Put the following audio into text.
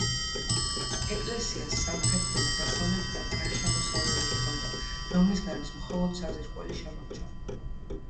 ეკლესიას სამხრეთიდან და დასავლეთიდან გარშემოსავლელი ჰქონდა, რომლისგანაც მხოლოდ საძირკველი შემორჩა.